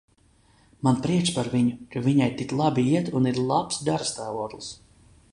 Man prieks par viņu, ka viņai tik labi iet un ir labs garastāvoklis.